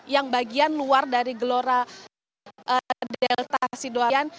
yang bagian luar dari gelora delta sidoaran